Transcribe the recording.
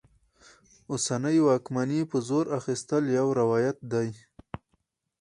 اوسنۍ واکمنۍ په زور اخیستل یو روایت دی.